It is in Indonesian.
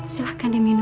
silahkan ya minum bu